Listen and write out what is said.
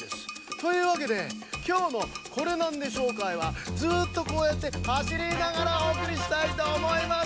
というわけできょうの「コレナンデ商会」はずっとこうやってはしりながらおおくりしたいとおもいます。